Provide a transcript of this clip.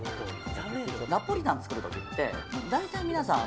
ナポリタン作る時って大体、皆さん